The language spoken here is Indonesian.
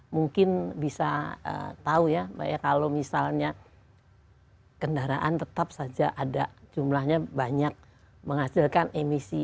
mungkin bisa tahu ya mbak ya kalau misalnya kendaraan tetap saja ada jumlahnya banyak menghasilkan emisi